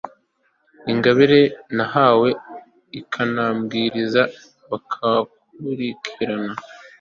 ingabire nahawe ikanabwiriza ababukurikirana